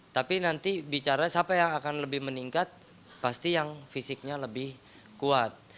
tapi nanti bicara siapa yang akan lebih meningkat pasti yang fisiknya lebih kuat